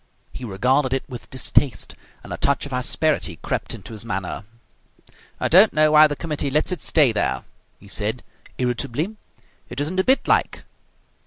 He regarded it with distaste, and a touch of asperity crept into his manner. "I don't know why the committee lets it stay there," he said, irritably. "It isn't a bit like."